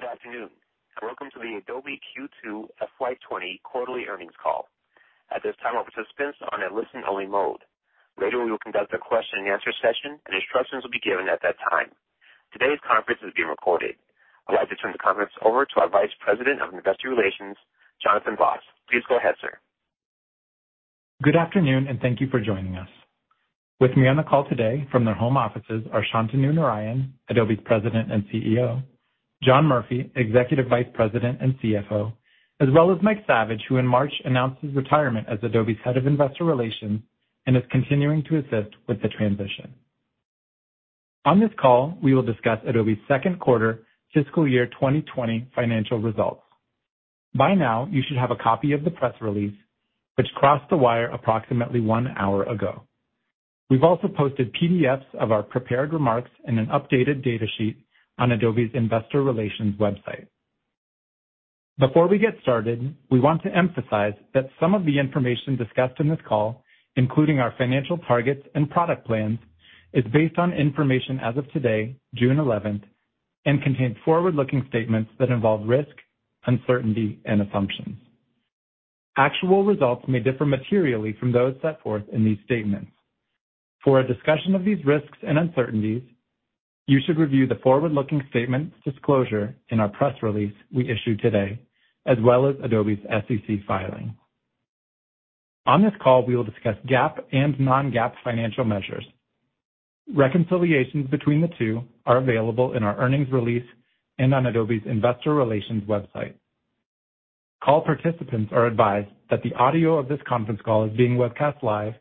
Good afternoon and welcome to the Adobe Q2 FY 2020 quarterly earnings call. At this time, all participants are in listen-only mode. Later, we will conduct a question-and-answer session, and instructions will be given at that time. Today's conference is being recorded. I'd like to turn the conference over to our Vice President of Investor Relations, Jonathan Vaas. Please go ahead sir. Good afternoon and thank you for joining us. With me on the call today from their home offices are Shantanu Narayen, Adobe's President and CEO, John Murphy, Executive Vice President and CFO, as well as Mike Saviage, who in March announced his retirement as Adobe's Head of Investor Relations and is continuing to assist with the transition. On this call, we will discuss Adobe's second quarter fiscal year 2020 financial results. By now, you should have a copy of the press release, which crossed the wire approximately one hour ago. We've also posted PDFs of our prepared remarks and an updated data sheet on Adobe's investor relations website. Before we get started, we want to emphasize that some of the information discussed in this call, including our financial targets and product plans, is based on information as of today, June 11th, and contains forward-looking statements that involve risk, uncertainty, and assumptions. Actual results may differ materially from those set forth in these statements. For a discussion of these risks and uncertainties, you should review the forward-looking statements disclosure in our press release we issued today, as well as Adobe's SEC filing. On this call, we will discuss GAAP and non-GAAP financial measures. Reconciliations between the two are available in our earnings release and on Adobe's investor relations website. Call participants are advised that the audio of this conference call is being webcast live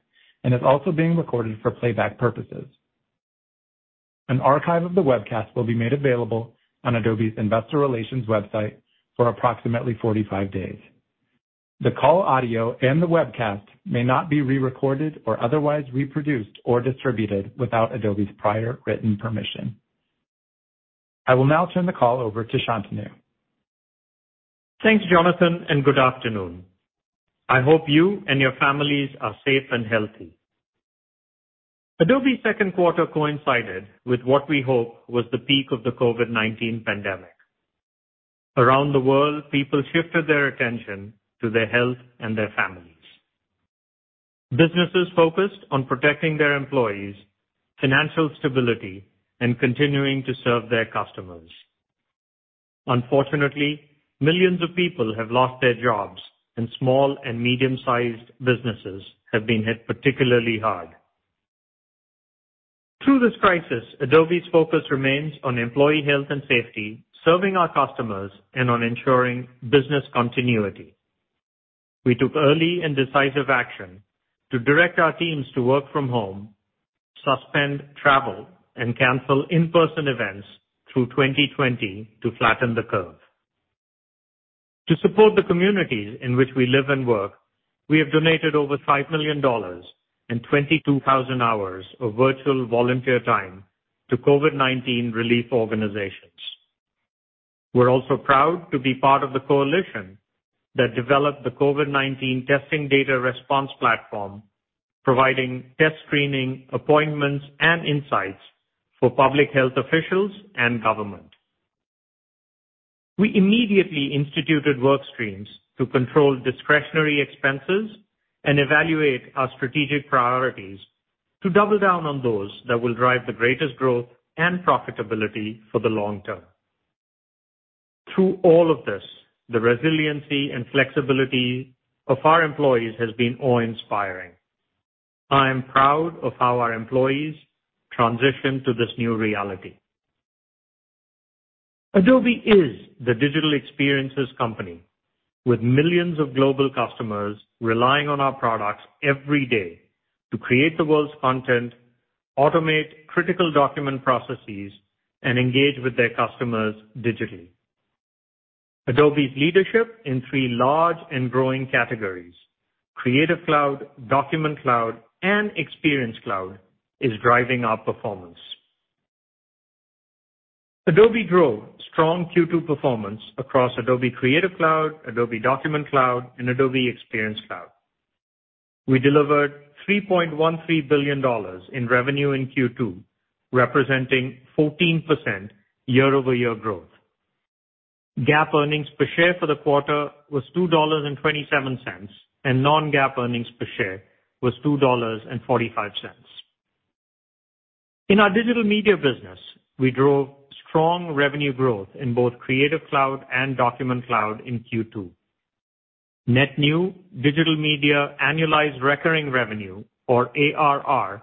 and is also being recorded for playback purposes. An archive of the webcast will be made available on Adobe's investor relations website for approximately 45 days. The call audio and the webcast may not be re-recorded or otherwise reproduced or distributed without Adobe's prior written permission. I will now turn the call over to Shantanu. Thanks Jonathan. Good afternoon. I hope you and your families are safe and healthy. Adobe's second quarter coincided with what we hope was the peak of the COVID-19 pandemic. Around the world, people shifted their attention to their health and their families. Businesses focused on protecting their employees, financial stability, and continuing to serve their customers. Unfortunately, millions of people have lost their jobs, and small and medium-sized businesses have been hit particularly hard. Through this crisis, Adobe's focus remains on employee health and safety, serving our customers, and on ensuring business continuity. We took early and decisive action to direct our teams to work from home, suspend travel, and cancel in-person events through 2020 to flatten the curve. To support the communities in which we live and work, we have donated over $5 million and 22,000 hours of virtual volunteer time to COVID-19 relief organizations. We're also proud to be part of the coalition that developed the COVID-19 testing data response platform, providing test screening, appointments, and insights for public health officials and government. We immediately instituted work streams to control discretionary expenses and evaluate our strategic priorities to double down on those that will drive the greatest growth and profitability for the long term. Through all of this, the resiliency and flexibility of our employees has been awe-inspiring. I am proud of how our employees transitioned to this new reality. Adobe is the digital experiences company with millions of global customers relying on our products every day to create the world's content, automate critical document processes, and engage with their customers digitally. Adobe's leadership in three large and growing categories, Creative Cloud, Document Cloud, and Experience Cloud, is driving our performance. Adobe drove strong Q2 performance across Adobe Creative Cloud, Adobe Document Cloud and Adobe Experience Cloud. We delivered $3.13 billion in revenue in Q2, representing 14% year-over-year growth. GAAP earnings per share for the quarter was $2.27, and non-GAAP earnings per share was $2.45. In our digital media business, we drove strong revenue growth in both Creative Cloud and Document Cloud in Q2. Net new digital media annualized recurring revenue, or ARR,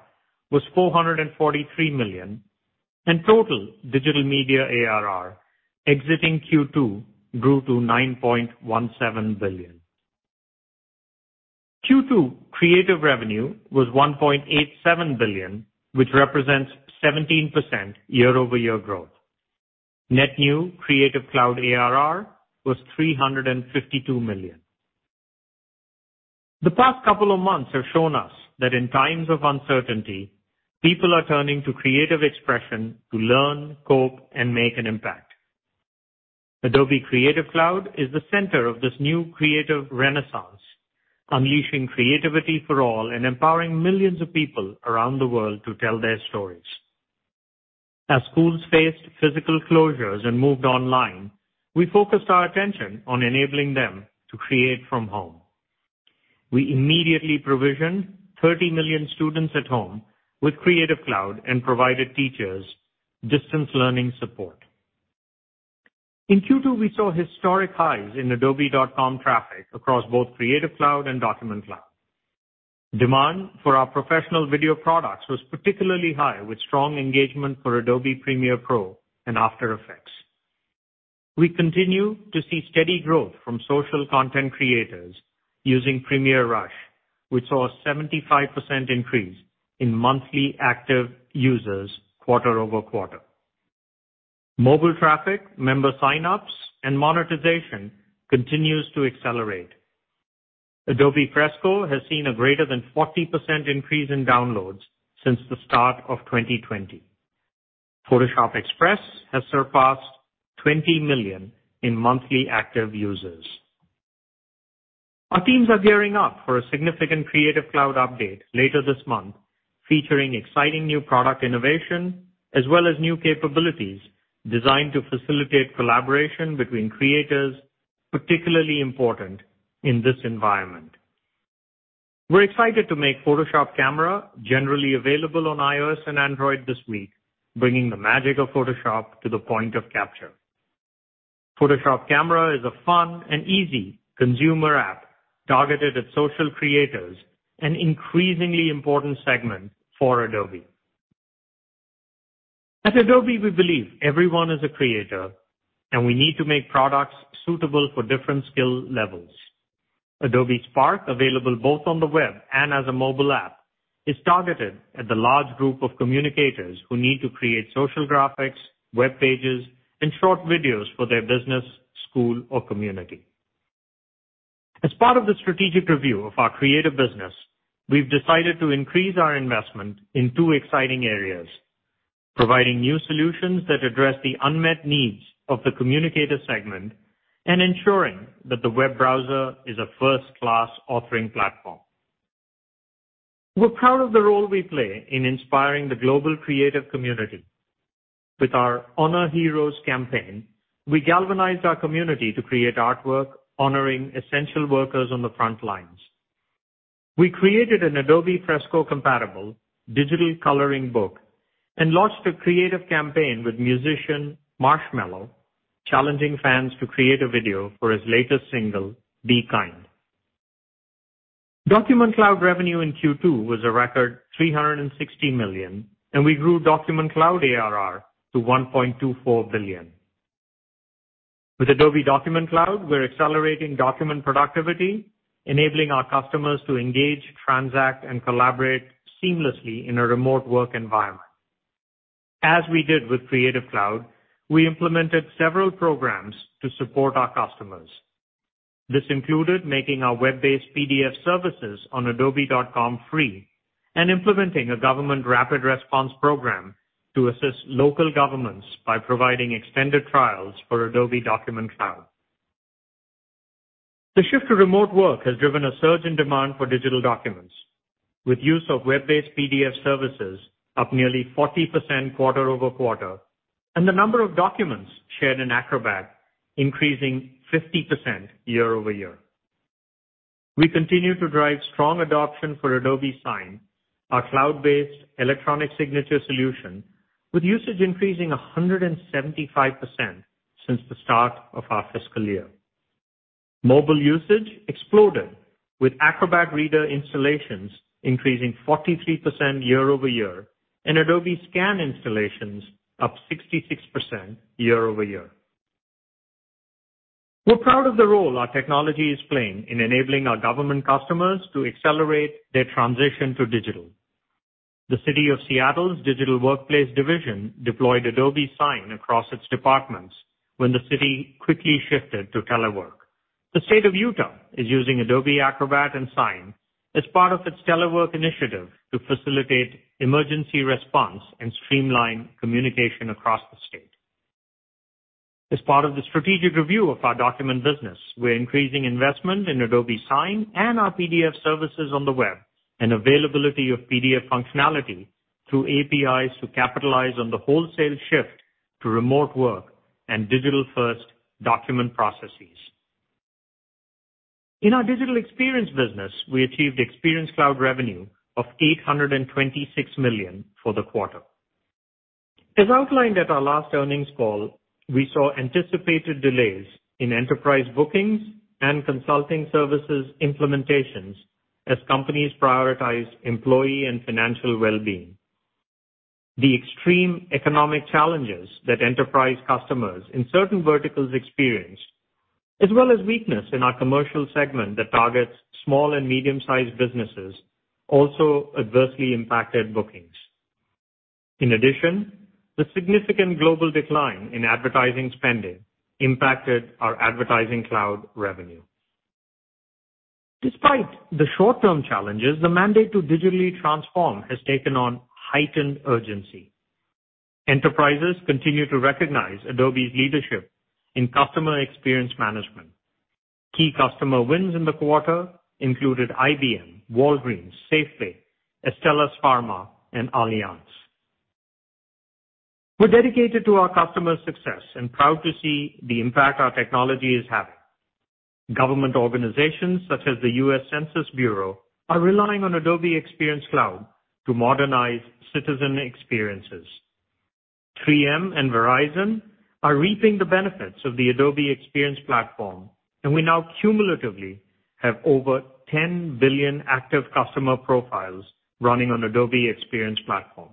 was $443 million, and total digital media ARR exiting Q2 grew to $9.17 billion. Q2 creative revenue was $1.87 billion, which represents 17% year-over-year growth. Net new Creative Cloud ARR was $352 million. The past couple of months have shown us that in times of uncertainty, people are turning to creative expression to learn, cope, and make an impact. Adobe Creative Cloud is the center of this new creative renaissance, unleashing creativity for all and empowering millions of people around the world to tell their stories. As schools faced physical closures and moved online, we focused our attention on enabling them to create from home. We immediately provisioned 30 million students at home with Creative Cloud and provided teachers distance learning support. In Q2, we saw historic highs in adobe.com traffic across both Creative Cloud and Document Cloud. Demand for our professional video products was particularly high, with strong engagement for Adobe Premiere Pro and After Effects. We continue to see steady growth from social content creators using Premiere Rush. We saw a 75% increase in monthly active users quarter-over-quarter. Mobile traffic, member sign-ups, and monetization continues to accelerate. Adobe Fresco has seen a greater than 40% increase in downloads since the start of 2020. Photoshop Express has surpassed 20 million in monthly active users. Our teams are gearing up for a significant Creative Cloud update later this month, featuring exciting new product innovation as well as new capabilities designed to facilitate collaboration between creators, particularly important in this environment. We're excited to make Photoshop Camera generally available on iOS and Android this week, bringing the magic of Photoshop to the point of capture. Photoshop Camera is a fun and easy consumer app targeted at social creators, an increasingly important segment for Adobe. At Adobe, we believe everyone is a creator, and we need to make products suitable for different skill levels. Adobe Spark, available both on the web and as a mobile app, is targeted at the large group of communicators who need to create social graphics, web pages, and short videos for their business, school, or community. As part of the strategic review of our creative business, we've decided to increase our investment in two exciting areas, providing new solutions that address the unmet needs of the communicator segment and ensuring that the web browser is a first-class authoring platform. We're proud of the role we play in inspiring the global creative community. With our Honor Heroes campaign, we galvanized our community to create artwork honoring essential workers on the front lines. We created an Adobe Fresco-compatible digital coloring book and launched a creative campaign with musician Marshmello challenging fans to create a video for his latest single, "Be Kind". Document Cloud revenue in Q2 was a record $360 million, and we grew Document Cloud ARR to $1.24 billion. With Adobe Document Cloud, we're accelerating document productivity, enabling our customers to engage, transact, and collaborate seamlessly in a remote work environment. As we did with Creative Cloud, we implemented several programs to support our customers. This included making our web-based PDF services on adobe.com free and implementing a government rapid response program to assist local governments by providing extended trials for Adobe Document Cloud. The shift to remote work has driven a surge in demand for digital documents, with use of web-based PDF services up nearly 40% quarter-over-quarter, and the number of documents shared in Acrobat increasing 50% year-over-year. We continue to drive strong adoption for Adobe Sign, our cloud-based electronic signature solution, with usage increasing 175% since the start of our fiscal year. Mobile usage exploded with Acrobat Reader installations increasing 43% year-over-year, and Adobe Scan installations up 66% year-over-year. We're proud of the role our technology is playing in enabling our government customers to accelerate their transition to digital. The City of Seattle's digital workplace division deployed Adobe Sign across its departments when the city quickly shifted to telework. The State of Utah is using Adobe Acrobat and Sign as part of its telework initiative to facilitate emergency response and streamline communication across the state. As part of the strategic review of our document business, we're increasing investment in Adobe Sign and our PDF services on the web, and availability of PDF functionality through APIs to capitalize on the wholesale shift to remote work and digital-first document processes. In our Digital Experience Business, we achieved Experience Cloud revenue of $826 million for the quarter. As outlined at our last earnings call, we saw anticipated delays in enterprise bookings and consulting services implementations as companies prioritized employee and financial well-being. The extreme economic challenges that enterprise customers in certain verticals experienced, as well as weakness in our commercial segment that targets small and medium-sized businesses, also adversely impacted bookings. The significant global decline in advertising spending impacted our Advertising Cloud revenue. Despite the short-term challenges, the mandate to digitally transform has taken on heightened urgency. Enterprises continue to recognize Adobe's leadership in customer experience management. Key customer wins in the quarter included IBM, Walgreens, Safeway, Astellas Pharma, and Allianz. We're dedicated to our customers' success and proud to see the impact our technology is having. Government organizations such as the U.S. Census Bureau are relying on Adobe Experience Cloud to modernize citizen experiences. 3M and Verizon are reaping the benefits of the Adobe Experience Platform. We now cumulatively have over 10 billion active customer profiles running on Adobe Experience Platform.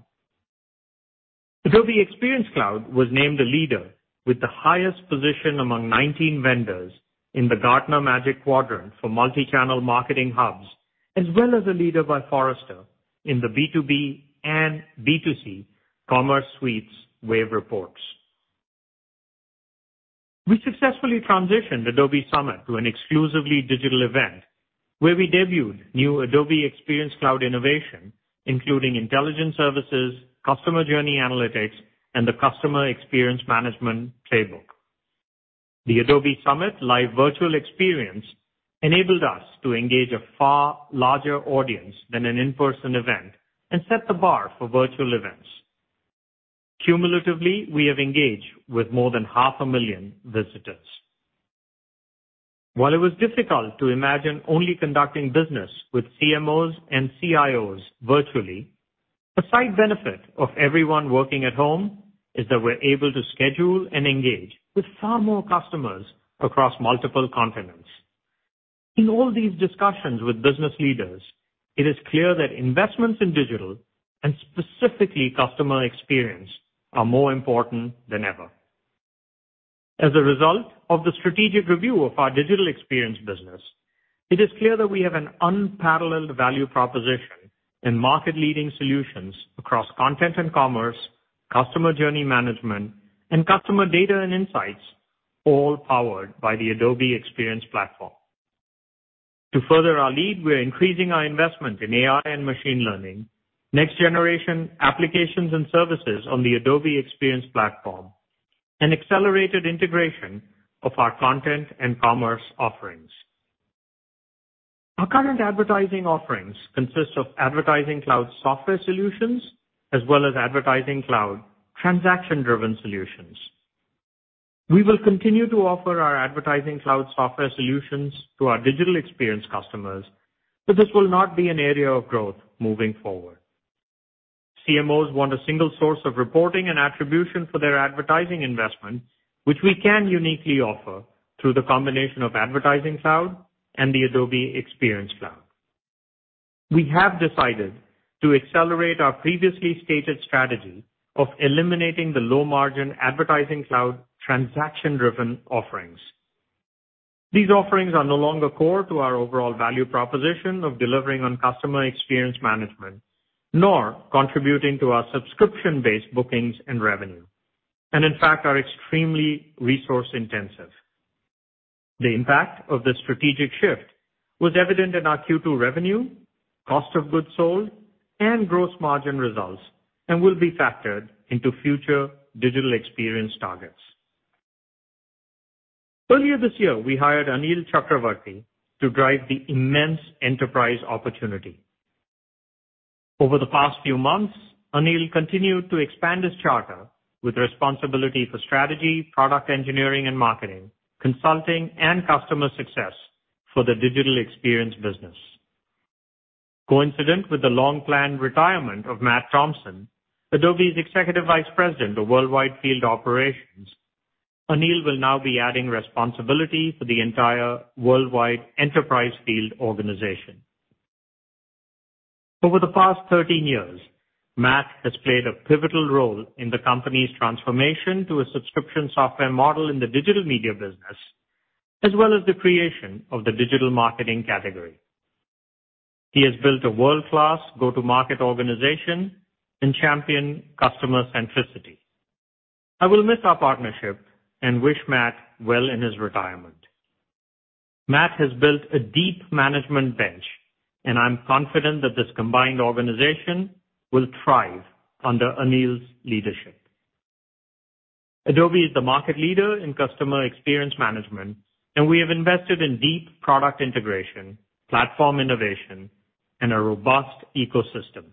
Adobe Experience Cloud was named a leader with the highest position among 19 vendors in the Gartner Magic Quadrant for multichannel marketing hubs, as well as a leader by Forrester in the B2B and B2C Commerce Suites Wave reports. We successfully transitioned Adobe Summit to an exclusively digital event where we debuted new Adobe Experience Cloud innovation, including intelligence services, Customer Journey Analytics, and the customer experience management playbook. The Adobe Summit live virtual experience enabled us to engage a far larger audience than an in-person event and set the bar for virtual events. Cumulatively, we have engaged with more than half a million visitors. While it was difficult to imagine only conducting business with CMOs and CIOs virtually, a side benefit of everyone working at home is that we're able to schedule and engage with far more customers across multiple continents. In all these discussions with business leaders, it is clear that investments in digital, and specifically customer experience, are more important than ever. As a result of the strategic review of our Digital Experience Business, it is clear that we have an unparalleled value proposition and market-leading solutions across content and commerce, customer journey management, and customer data and insights, all powered by the Adobe Experience Platform. To further our lead, we're increasing our investment in AI and machine learning, next generation applications and services on the Adobe Experience Platform, and accelerated integration of our content and commerce offerings. Our current Advertising Cloud offerings consist of Advertising Cloud software solutions, as well as Advertising Cloud transaction-driven solutions. We will continue to offer our Advertising Cloud software solutions to our digital experience customers, but this will not be an area of growth moving forward. CMOs want a single source of reporting and attribution for their advertising investment, which we can uniquely offer through the combination of Advertising Cloud and the Adobe Experience Cloud. We have decided to accelerate our previously stated strategy of eliminating the low-margin Advertising Cloud transaction-driven offerings. These offerings are no longer core to our overall value proposition of delivering on customer experience management, nor contributing to our subscription-based bookings and revenue, and in fact, are extremely resource-intensive. The impact of this strategic shift was evident in our Q2 revenue, cost of goods sold, and gross margin results, and will be factored into future digital experience targets. Earlier this year, we hired Anil Chakravarthy to drive the immense enterprise opportunity. Over the past few months, Anil continued to expand his charter with responsibility for strategy, product engineering and marketing, consulting, and customer success for the Digital Experience Business. Coincident with the long-planned retirement of Matt Thompson, Adobe's Executive Vice President of Worldwide Field Operations, Anil will now be adding responsibility for the entire worldwide enterprise field organization. Over the past 13 years, Matt has played a pivotal role in the company's transformation to a subscription software model in the Digital Media Business, as well as the creation of the digital marketing category. He has built a world-class go-to-market organization and championed customer centricity. I will miss our partnership and wish Matt well in his retirement. Matt has built a deep management bench, and I'm confident that this combined organization will thrive under Anil's leadership. Adobe is the market leader in customer experience management, and we have invested in deep product integration, platform innovation, and a robust ecosystem.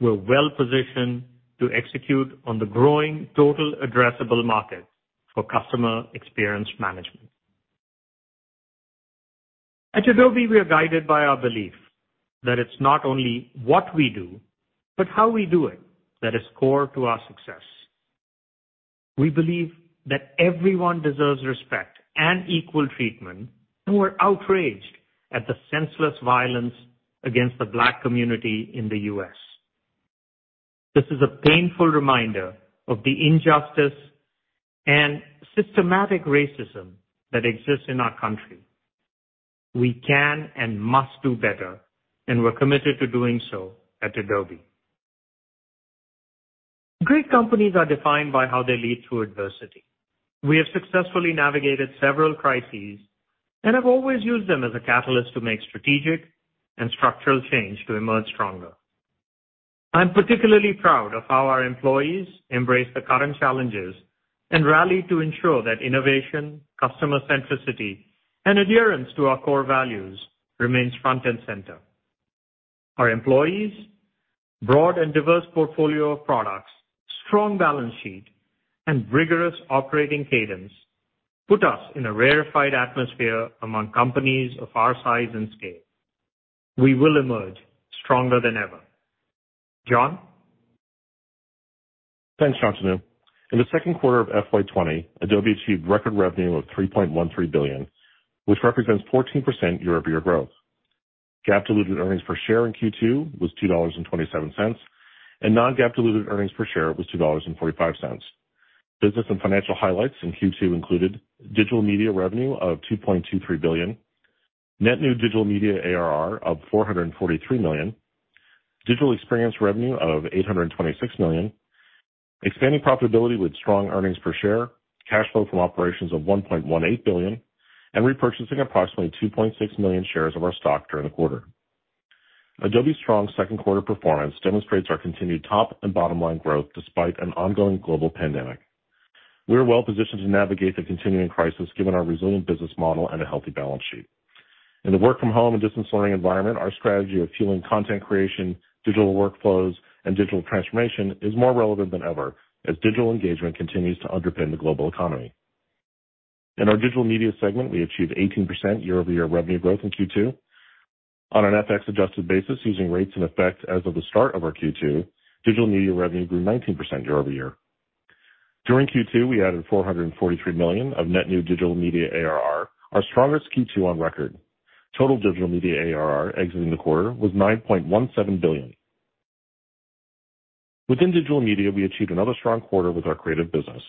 We're well-positioned to execute on the growing total addressable market for customer experience management. At Adobe, we are guided by our belief that it's not only what we do, but how we do it that is core to our success. We believe that everyone deserves respect and equal treatment, and we're outraged at the senseless violence against the Black community in the U.S. This is a painful reminder of the injustice and systematic racism that exists in our country. We can and must do better, and we're committed to doing so at Adobe. Great companies are defined by how they lead through adversity. We have successfully navigated several crises and have always used them as a catalyst to make strategic and structural change to emerge stronger. I'm particularly proud of how our employees embrace the current challenges and rally to ensure that innovation, customer centricity, and adherence to our core values remains front and center. Our employees' broad and diverse portfolio of products, strong balance sheet, and rigorous operating cadence put us in a rarefied atmosphere among companies of our size and scale. We will emerge stronger than ever. John? Thanks Shantanu. In the second quarter of FY 2020, Adobe achieved record revenue of $3.13 billion, which represents 14% year-over-year growth. GAAP diluted earnings per share in Q2 was $2.27, and non-GAAP diluted earnings per share was $2.45. Business and financial highlights in Q2 included Digital Media revenue of $2.23 billion, net new Digital Media ARR of $443 million, Digital Experience revenue of $826 million, expanding profitability with strong earnings per share, cash flow from operations of $1.18 billion, and repurchasing approximately 2.6 million shares of our stock during the quarter. Adobe's strong second quarter performance demonstrates our continued top and bottom-line growth despite an ongoing global pandemic. We are well-positioned to navigate the continuing crisis given our resilient business model and a healthy balance sheet. In the work-from-home and distance learning environment, our strategy of fueling content creation, digital workflows, and digital transformation is more relevant than ever, as digital engagement continues to underpin the global economy. In our Digital Media segment, we achieved 18% year-over-year revenue growth in Q2. On an FX-adjusted basis using rates in effect as of the start of our Q2, Digital Media revenue grew 19% year-over-year. During Q2, we added $443 million of net new Digital Media ARR, our strongest Q2 on record. Total Digital Media ARR exiting the quarter was $9.17 billion. Within Digital Media, we achieved another strong quarter with our Creative business.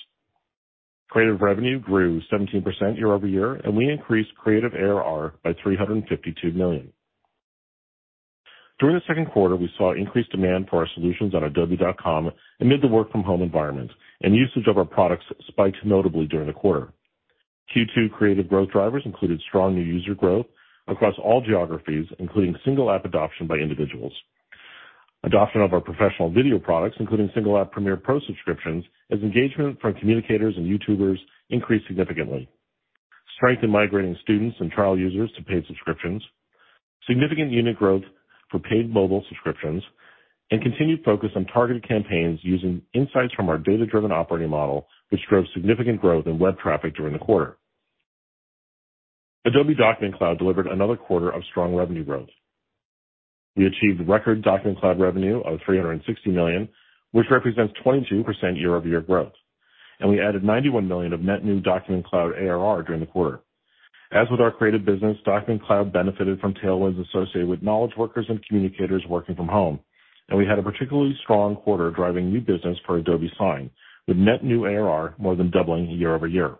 Creative revenue grew 17% year-over-year, and we increased Creative ARR by $352 million. During the second quarter, we saw increased demand for our solutions on adobe.com amid the work-from-home environment, and usage of our products spiked notably during the quarter. Q2 creative growth drivers included strong new user growth across all geographies, including single app adoption by individuals. Adoption of our professional video products, including single-app Premiere Pro subscriptions, as engagement from communicators and YouTubers increased significantly. Strength in migrating students and trial users to paid subscriptions. Significant unit growth for paid mobile subscriptions. Continued focus on targeted campaigns using insights from our Data-Driven Operating Model, which drove significant growth in web traffic during the quarter. Adobe Document Cloud delivered another quarter of strong revenue growth. We achieved record Document Cloud revenue of $360 million, which represents 22% year-over-year growth, and we added $91 million of net new Document Cloud ARR during the quarter. As with our creative business, Document Cloud benefited from tailwinds associated with knowledge workers and communicators working from home. We had a particularly strong quarter driving new business for Adobe Sign, with net new ARR more than doubling year-over-year.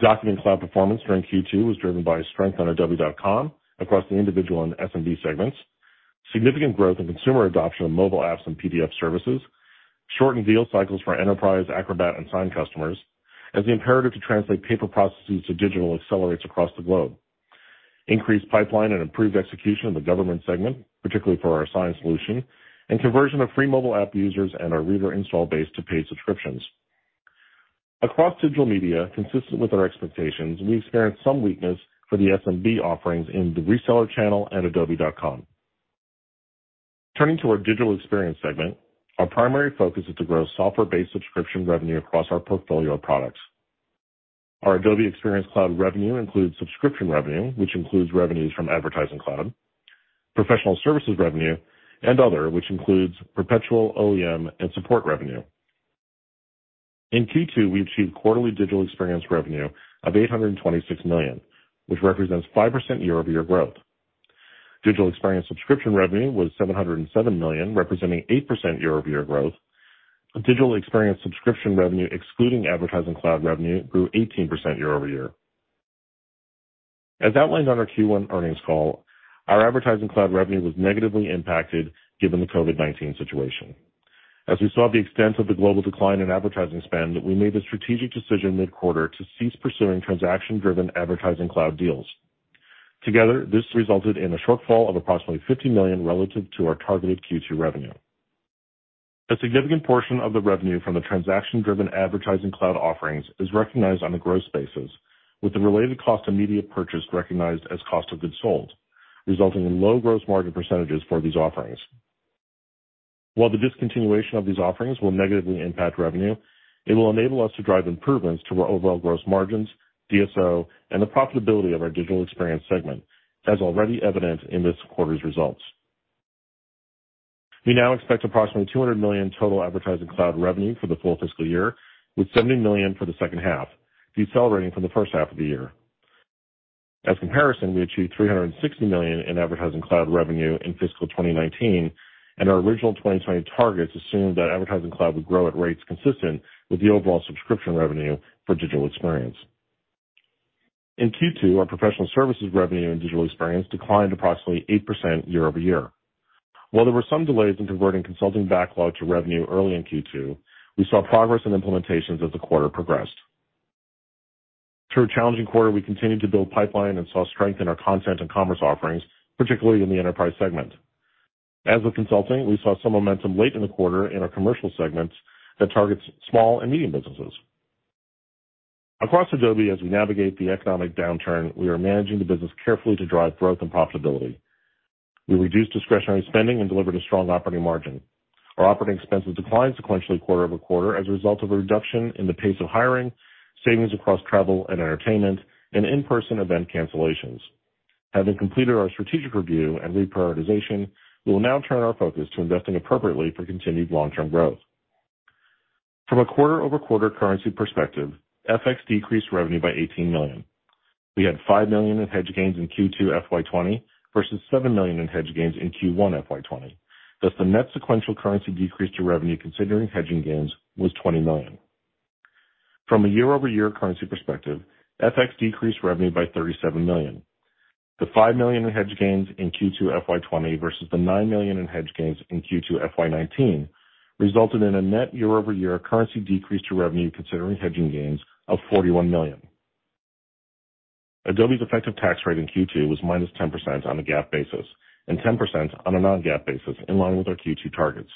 Document Cloud performance during Q2 was driven by strength on adobe.com across the individual and SMB segments, significant growth in consumer adoption of mobile apps and PDF services, shortened deal cycles for Enterprise, Acrobat, and Sign customers as the imperative to translate paper processes to digital accelerates across the globe, increased pipeline and improved execution in the government segment, particularly for our Sign solution, and conversion of free mobile app users and our reader install base to paid subscriptions. Across digital media, consistent with our expectations, we experienced some weakness for the SMB offerings in the reseller channel at adobe.com. Turning to our Digital Experience segment, our primary focus is to grow software-based subscription revenue across our portfolio of products. Our Adobe Experience Cloud revenue includes subscription revenue, which includes revenues from Advertising Cloud, professional services revenue, and other, which includes perpetual OEM and support revenue. In Q2, we achieved quarterly Digital Experience revenue of $826 million, which represents 5% year-over-year growth. Digital Experience subscription revenue was $707 million, representing 8% year-over-year growth. Digital Experience subscription revenue excluding Advertising Cloud revenue grew 18% year-over-year. As outlined on our Q1 earnings call, our Advertising Cloud revenue was negatively impacted given the COVID-19 situation. As we saw the extent of the global decline in advertising spend, we made the strategic decision mid-quarter to cease pursuing transaction-driven Advertising Cloud deals. Together, this resulted in a shortfall of approximately $50 million relative to our targeted Q2 revenue. A significant portion of the revenue from the transaction-driven Advertising Cloud offerings is recognized on a gross basis, with the related cost of goods sold recognized as cost of goods sold, resulting in low gross margin percentages for these offerings. While the discontinuation of these offerings will negatively impact revenue, it will enable us to drive improvements to our overall gross margins, DSO, and the profitability of our Digital Experience segment, as already evident in this quarter's results. We now expect approximately $200 million total Advertising Cloud revenue for the full fiscal year, with $70 million for the second half, decelerating from the first half of the year. As comparison, we achieved $360 million in Advertising Cloud revenue in fiscal 2019, and our original 2020 targets assumed that Advertising Cloud would grow at rates consistent with the overall subscription revenue for digital experience. In Q2, our professional services revenue and digital experience declined approximately 8% year-over-year. While there were some delays in converting consulting backlog to revenue early in Q2, we saw progress in implementations as the quarter progressed. Through a challenging quarter, we continued to build pipeline and saw strength in our content and commerce offerings, particularly in the enterprise segment. As with consulting, we saw some momentum late in the quarter in our commercial segments that targets small and medium businesses. Across Adobe, as we navigate the economic downturn, we are managing the business carefully to drive growth and profitability. We reduced discretionary spending and delivered a strong operating margin. Our operating expenses declined sequentially quarter-over-quarter as a result of a reduction in the pace of hiring, savings across travel and entertainment, and in-person event cancellations. Having completed our strategic review and reprioritization, we will now turn our focus to investing appropriately for continued long-term growth. From a quarter-over-quarter currency perspective, FX decreased revenue by $18 million. We had $5 million in hedge gains in Q2 FY 2020, versus $7 million in hedge gains in Q1 FY 2020. Thus, the net sequential currency decrease to revenue considering hedging gains was $20 million. From a year-over-year currency perspective, FX decreased revenue by $37 million. The $5 million in hedge gains in Q2 FY 2020 versus the $9 million in hedge gains in Q2 FY 2019 resulted in a net year-over-year currency decrease to revenue considering hedging gains of $41 million. Adobe's effective tax rate in Q2 was -10% on a GAAP basis, and 10% on a non-GAAP basis, in line with our Q2 targets.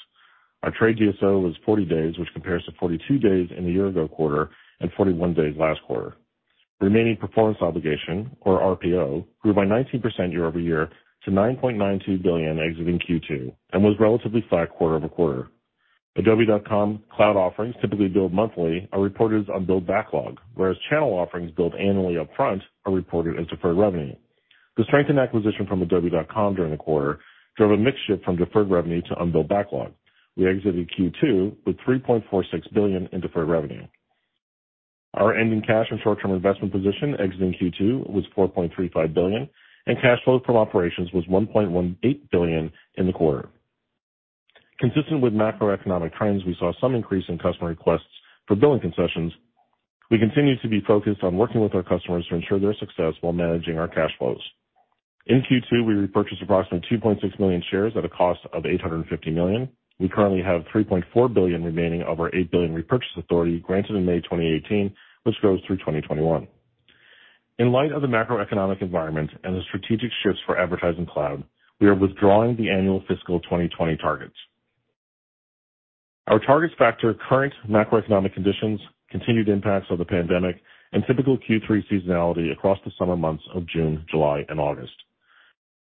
Our trade DSO was 40 days, which compares to 42 days in the year-ago quarter, and 41 days last quarter. Remaining performance obligation, or RPO, grew by 19% year-over-year to $9.92 billion exiting Q2, and was relatively flat quarter-over-quarter. adobe.com cloud offerings typically billed monthly are reported as unbilled backlog, whereas channel offerings billed annually upfront are reported as deferred revenue. The strength in acquisition from adobe.com during the quarter drove a mix shift from deferred revenue to unbilled backlog. We exited Q2 with $3.46 billion in deferred revenue. Our ending cash and short-term investment position exiting Q2 was $4.35 billion, and cash flow from operations was $1.18 billion in the quarter. Consistent with macroeconomic times, we saw some increase in customer requests for billing concessions. We continue to be focused on working with our customers to ensure their success while managing our cash flows. In Q2, we repurchased approximately 2.6 million shares at a cost of $850 million. We currently have $3.4 billion remaining of our $8 billion repurchase authority granted in May 2018, which goes through 2021. In light of the macroeconomic environment and the strategic shifts for Advertising Cloud, we are withdrawing the annual fiscal 2020 targets. Our targets factor current macroeconomic conditions, continued impacts of the pandemic, and typical Q3 seasonality across the summer months of June, July, and August.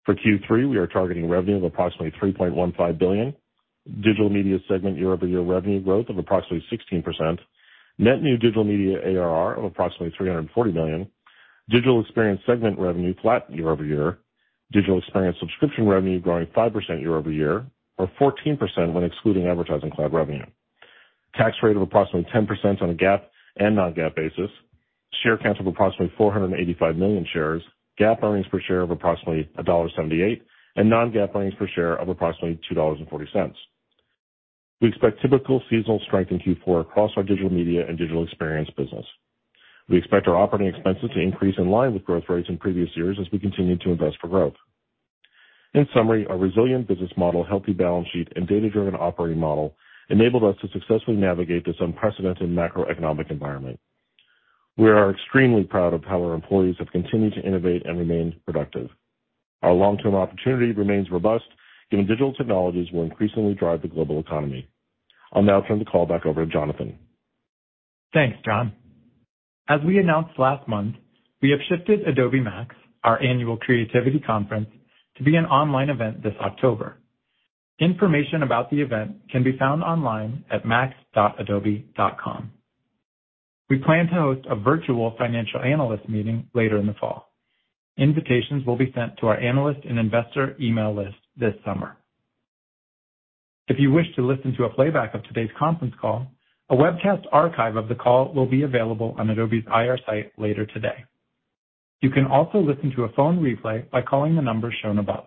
For Q3, we are targeting revenue of approximately $3.15 billion, Digital Media segment year-over-year revenue growth of approximately 16%, net new Digital Media ARR of approximately $340 million, Digital Experience segment revenue flat year-over-year, Digital Experience subscription revenue growing 5% year-over-year, or 14% when excluding Advertising Cloud revenue. Tax rate of approximately 10% on a GAAP and non-GAAP basis, share count of approximately 485 million shares, GAAP earnings per share of approximately $1.78, and non-GAAP earnings per share of approximately $2.40. We expect typical seasonal strength in Q4 across our Digital Media and Digital Experience business. We expect our operating expenses to increase in line with growth rates in previous years as we continue to invest for growth. In summary, our resilient business model, healthy balance sheet, and Data-Driven Operating Model enabled us to successfully navigate this unprecedented macroeconomic environment. We are extremely proud of how our employees have continued to innovate and remain productive. Our long-term opportunity remains robust, given digital technologies will increasingly drive the global economy. I'll now turn the call back over to Jonathan. Thanks John. As we announced last month, we have shifted Adobe MAX, our annual creativity conference, to be an online event this October. Information about the event can be found online at max.adobe.com. We plan to host a virtual financial analyst meeting later in the fall. Invitations will be sent to our analyst and investor email list this summer. If you wish to listen to a playback of today's conference call, a webcast archive of the call will be available on Adobe's IR site later today. You can also listen to a phone replay by calling the number shown above.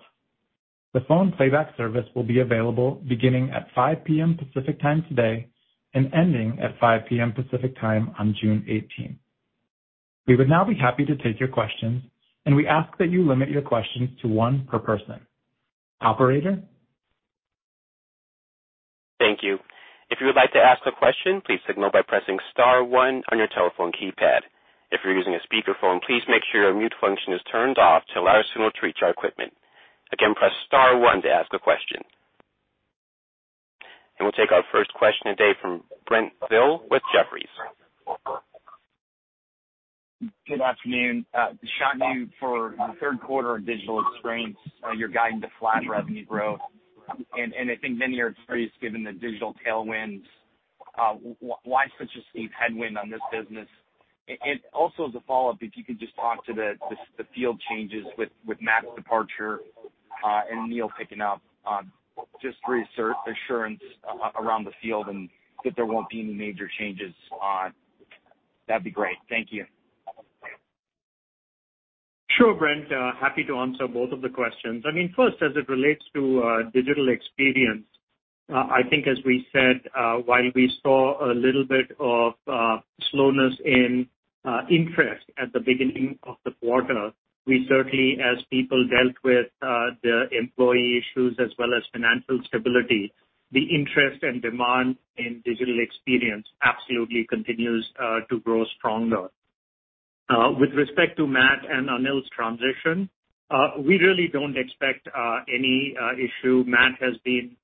The phone playback service will be available beginning at 5:00 P.M. Pacific Time today and ending at 5:00 P.M. Pacific Time on June 18th. We would now be happy to take your questions, and we ask that you limit your questions to one per person. Operator? Thank you. If you would like to ask a question, please signal by pressing star one on your telephone keypad. If you're using a speakerphone, please make sure your mute function is turned off to allow your signal to reach our equipment. Again, press star one to ask a question. We'll take our first question today from Brent Thill with Jefferies. Good afternoon. Shantanu, for the third quarter of Digital Experience, you're guiding to flat revenue growth. I think many are surprised given the digital tailwinds. Why such a steep headwind on this business? Also as a follow-up, if you could just talk to the field changes with Matt's departure, and Anil picking up, just reassurance around the field and that there won't be any major changes. That'd be great. Thank you. Sure Brent. Happy to answer both of the questions. First, as it relates to Digital Experience, I think as we said, while we saw a little bit of slowness in interest at the beginning of the quarter, we certainly as people dealt with the employee issues as well as financial stability, the interest and demand in Digital Experience absolutely continues to grow strongly. With respect to Matt and Anil's transition, we really don't expect any issue. Matt has been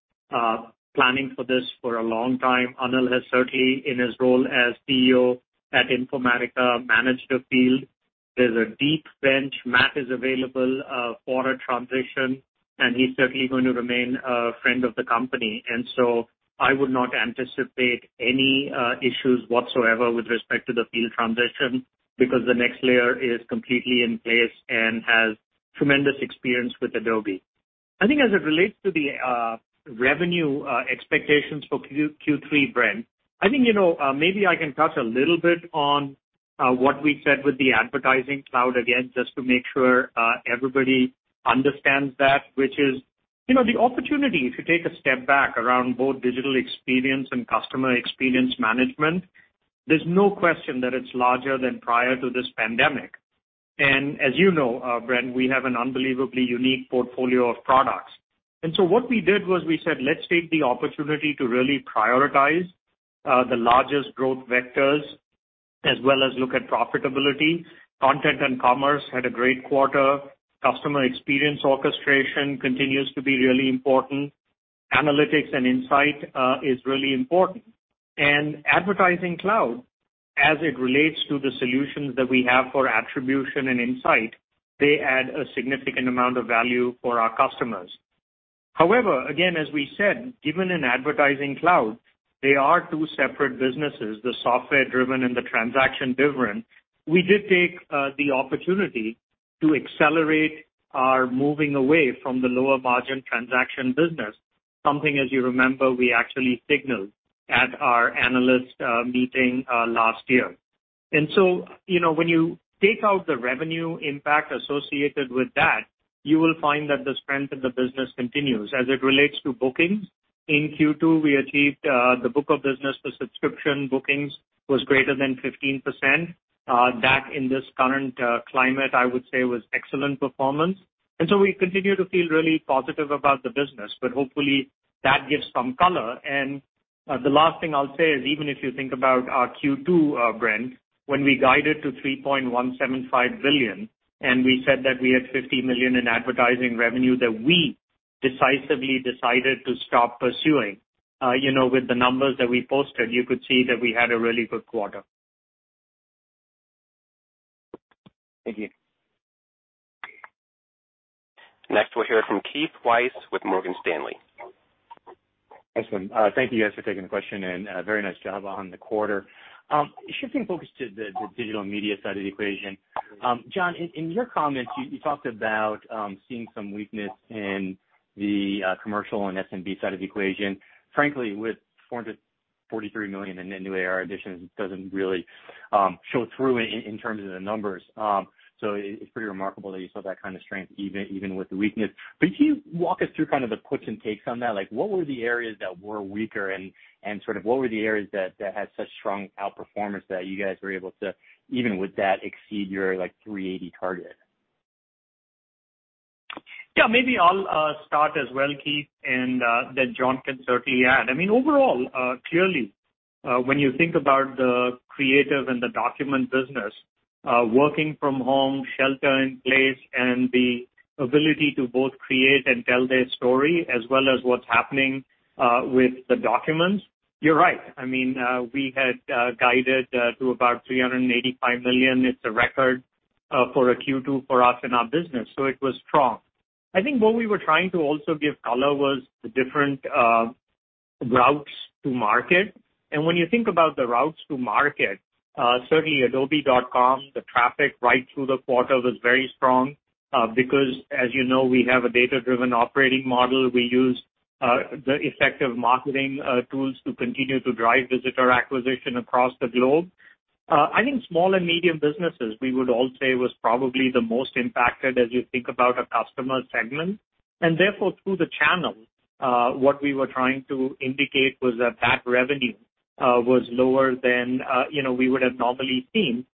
planning for this for a long time. Anil has certainly, in his role as CEO at Informatica, managed the field. There's a deep bench. Matt is available for a transition, and he's certainly going to remain a friend of the company. I would not anticipate any issues whatsoever with respect to the field transition because the next layer is completely in place and has tremendous experience with Adobe. I think as it relates to the revenue expectations for Q3, Brent, I think maybe I can touch a little bit on what we said with the Advertising Cloud again, just to make sure everybody understands that, which is the opportunity, if you take a step back around both digital experience and customer experience management, there's no question that it's larger than prior to this pandemic. As you know, Brent, we have an unbelievably unique portfolio of products. What we did was we said, let's take the opportunity to really prioritize the largest growth vectors as well as look at profitability. Content and commerce had a great quarter. Customer experience orchestration continues to be really important. Analytics and insight is really important. Advertising Cloud, as it relates to the solutions that we have for attribution and insight, they add a significant amount of value for our customers. However, again, as we said, even in Advertising Cloud, they are two separate businesses, the software driven and the transaction driven. We did take the opportunity to accelerate our moving away from the lower margin transaction business, something as you remember, we actually signaled at our analyst meeting last year. When you take out the revenue impact associated with that, you will find that the strength of the business continues. As it relates to bookings, in Q2, we achieved the book of business for subscription bookings was greater than 15%. That in this current climate, I would say, was excellent performance. We continue to feel really positive about the business, but hopefully that gives some color. The last thing I'll say is, even if you think about our Q2, Brent, when we guided to $3.175 billion, and we said that we had $50 million in advertising revenue that we decisively decided to stop pursuing. With the numbers that we posted, you could see that we had a really good quarter. Thank you. Next we'll hear from Keith Weiss with Morgan Stanley. Excellent. Thank you guys for taking the question and very nice job on the quarter. Shifting focus to the digital media side of the equation. John, in your comments, you talked about seeing some weakness in the commercial and SMB side of the equation. Frankly, with $443 million in new ARR additions, it doesn't really show through in terms of the numbers. It's pretty remarkable that you saw that kind of strength even with the weakness. Can you walk us through kind of the puts and takes on that? What were the areas that were weaker, and sort of what were the areas that had such strong outperformance that you guys were able to, even with that, exceed your $380 target? Yeah, maybe I'll start as well Keith and then John can certainly add. Overall, clearly, when you think about the creative and the document business, working from home, shelter in place, and the ability to both create and tell their story, as well as what's happening with the documents, you're right. We had guided to about $385 million. It's a record for a Q2 for us in our business, so it was strong. I think what we were trying to also give color was the different routes to market. When you think about the routes to market, certainly adobe.com, the traffic right through the quarter was very strong because, as you know, we have a Data-Driven Operating Model. We use the effective marketing tools to continue to drive visitor acquisition across the globe. I think small and medium businesses, we would all say, was probably the most impacted as you think about a customer segment. Therefore, through the channel, what we were trying to indicate was that revenue was lower than we would have normally seen.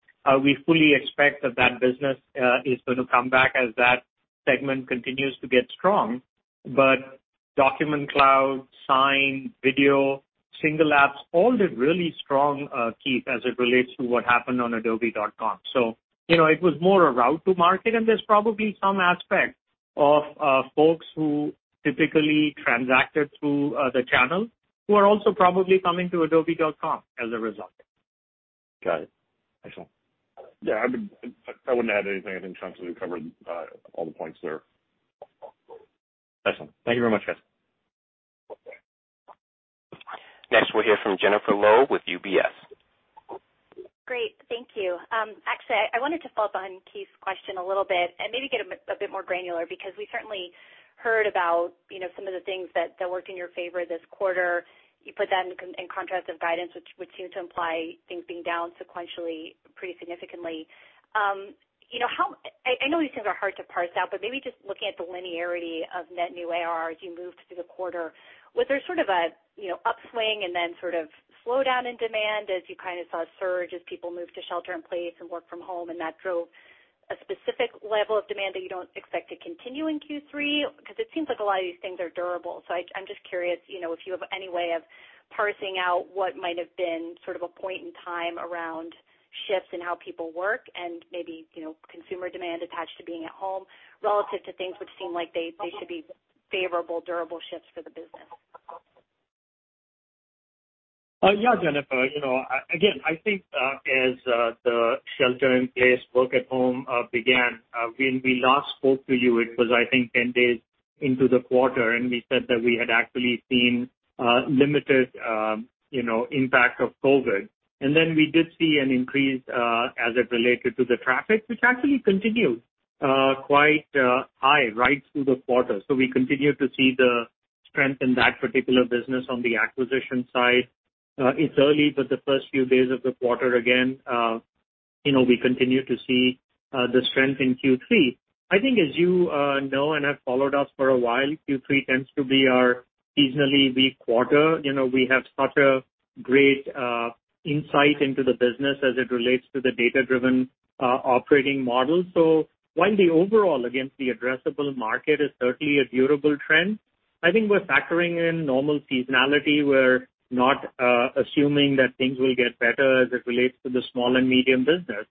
We fully expect that that business is going to come back as that segment continues to get strong. Document Cloud, Sign, Video, Single Apps, all did really strong, Keith, as it relates to what happened on adobe.com. It was more a route to market, and there's probably some aspect of folks who typically transacted through the channel who are also probably coming to adobe.com as a result. Got it. Excellent. Yeah, I wouldn't add anything. I think Shantanu covered all the points there. Excellent. Thank you very much guys. Next we hear from Jennifer Lowe with UBS. Great. Thank you. Actually, I wanted to follow up on Keith's question a little bit and maybe get a bit more granular, because we certainly heard about some of the things that worked in your favor this quarter. You put that in contrast of guidance, which seemed to imply things being down sequentially pretty significantly. I know these things are hard to parse out, but maybe just looking at the linearity of net new ARR as you moved through the quarter, was there sort of a upswing and then sort of slowdown in demand as you kind of saw a surge as people moved to shelter in place and work from home, and that drove a specific level of demand that you don't expect to continue in Q3? Because it seems like a lot of these things are durable. I'm just curious, if you have any way of parsing out what might have been sort of a point in time around shifts in how people work and maybe, consumer demand attached to being at home relative to things which seem like they should be favorable, durable shifts for the business. Yeah, Jennifer. Again, I think as the shelter in place, work at home began, when we last spoke to you, it was, I think, 10 days into the quarter. We said that we had actually seen limited impact of COVID. We did see an increase, as it related to the traffic, which actually continued quite high right through the quarter. We continue to see the strength in that particular business on the acquisition side. It's early, but the first few days of the quarter, again, we continue to see the strength in Q3. I think as you know and have followed us for a while, Q3 tends to be our seasonally weak quarter. We have such a great insight into the business as it relates to the Data-Driven Operating Model. While the overall, against the addressable market, is certainly a durable trend, I think we're factoring in normal seasonality. We're not assuming that things will get better as it relates to the small and medium business.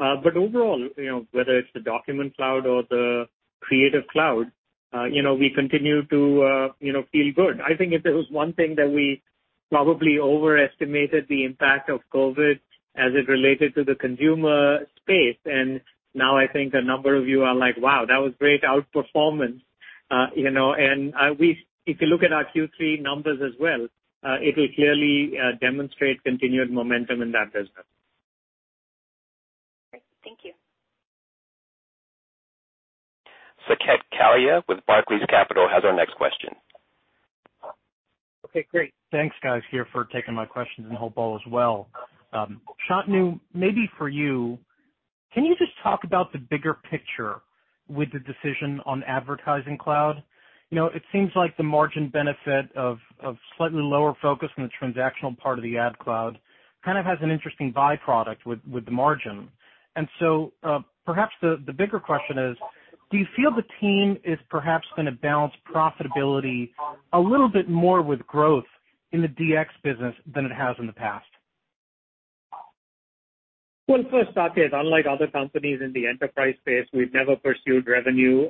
Overall, whether it's the Document Cloud or the Creative Cloud, we continue to feel good. I think if there was one thing that we probably overestimated the impact of COVID as it related to the consumer space, and now I think a number of you are like, "Wow, that was great outperformance." If you look at our Q3 numbers as well, it'll clearly demonstrate continued momentum in that business. Great. Thank you. Saket Kalia with Barclays Capital has our next question. Okay great. Thanks guys here for taking my questions, and Hope all is well. Shantanu, maybe for you, can you just talk about the bigger picture with the decision on Advertising Cloud? It seems like the margin benefit of slightly lower focus on the transactional part of the Ad Cloud kind of has an interesting byproduct with the margin. Perhaps the bigger question is, do you feel the team is perhaps going to balance profitability a little bit more with growth in the DX business than it has in the past? Well, first Saket, unlike other companies in the enterprise space, we've never pursued revenue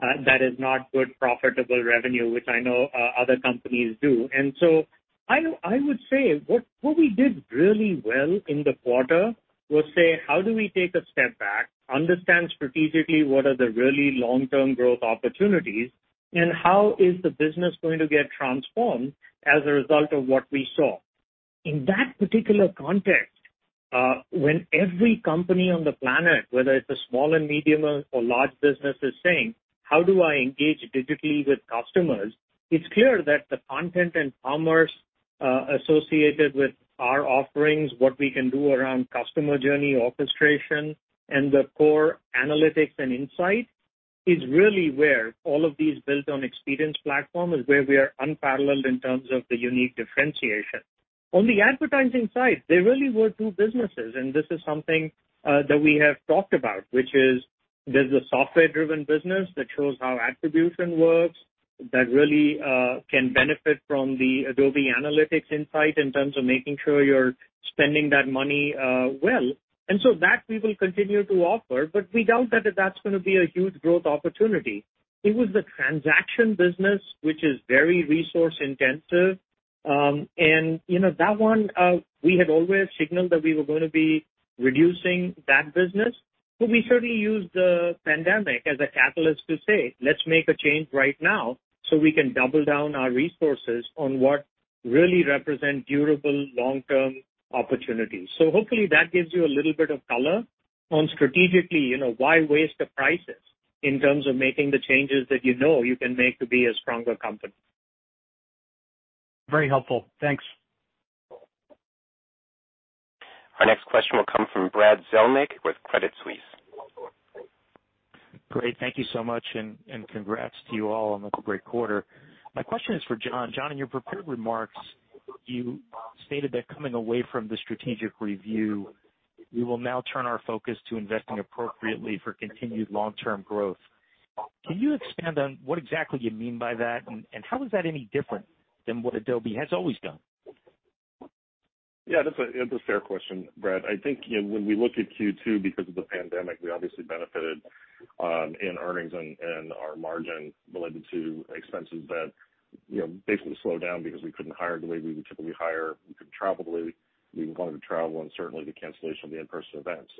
that is not good profitable revenue, which I know other companies do. I would say what we did really well in the quarter was say, "How do we take a step back, understand strategically what are the really long-term growth opportunities, and how is the business going to get transformed as a result of what we saw?" In that particular context, when every company on the planet, whether it's a small and medium or large business, is saying, "How do I engage digitally with customers?" it's clear that the content and commerce associated with our offerings, what we can do around customer journey orchestration and the core analytics and insight, is really where all of these built on Experience Platform is where we are unparalleled in terms of the unique differentiation. On the advertising side, there really were two businesses, and this is something that we have talked about, which is there's a software-driven business that shows how attribution works that really can benefit from the Adobe Analytics insight in terms of making sure you're spending that money well. That we will continue to offer, but we doubt that that's going to be a huge growth opportunity. It was the transaction business, which is very resource intensive. That one, we had always signaled that we were going to be reducing that business, but we certainly used the pandemic as a catalyst to say, "Let's make a change right now so we can double down our resources on what really represent durable long-term opportunities." Hopefully that gives you a little bit of color on strategically, why waste the crisis in terms of making the changes that you know you can make to be a stronger company. Very helpful. Thanks. Our next question will come from Brad Zelnick with Credit Suisse. Great. Thank you so much. Congrats to you all on a great quarter. My question is for John. John, in your prepared remarks, you stated that coming away from the strategic review, "We will now turn our focus to investing appropriately for continued long-term growth." Can you expand on what exactly you mean by that, and how is that any different than what Adobe has always done? Yeah, that's a fair question Brad. I think when we look at Q2 because of the pandemic, we obviously benefited in earnings and our margin related to expenses that basically slowed down because we couldn't hire the way we would typically hire, we couldn't travel the way we wanted to travel, and certainly the cancellation of the in-person events.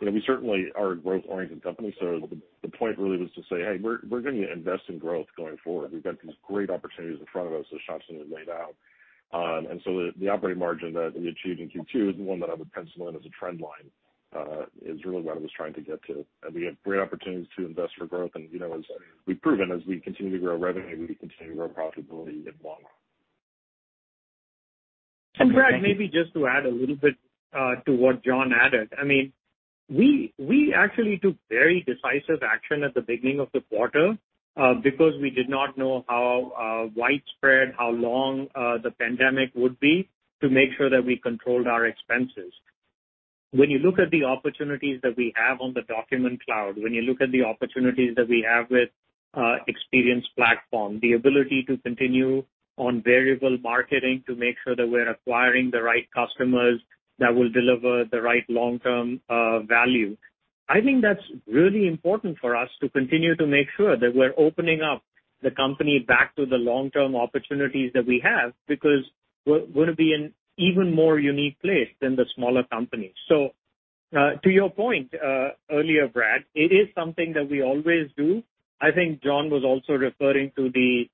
We certainly are a growth-oriented company. The point really was to say, "Hey, we're going to invest in growth going forward. We've got these great opportunities in front of us," as Shantanu laid out. The operating margin that we achieved in Q2 is the one that I would pencil in as a trend line, is really what I was trying to get to. We have great opportunities to invest for growth. As we've proven, as we continue to grow revenue, we continue to grow profitability and more. Brad, maybe just to add a little bit to what John added. We actually took very decisive action at the beginning of the quarter because we did not know how widespread, how long, the pandemic would be, to make sure that we controlled our expenses. When you look at the opportunities that we have on the Document Cloud, when you look at the opportunities that we have with Experience Platform, the ability to continue on variable marketing to make sure that we're acquiring the right customers that will deliver the right long-term value. I think that's really important for us to continue to make sure that we're opening up the company back to the long-term opportunities that we have, because we're going to be in an even more unique place than the smaller companies. To your point earlier, Brad, it is something that we always do. I think John was also referring to the